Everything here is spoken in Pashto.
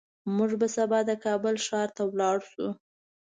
موږ به سبا د کابل ښار ته لاړ شو